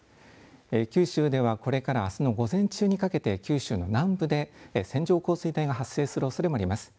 九州ではこれからあすの午前中にかけて九州の南部で線状降水帯が発生するおそれもあります。